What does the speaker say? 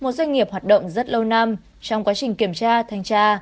một doanh nghiệp hoạt động rất lâu năm trong quá trình kiểm tra thanh tra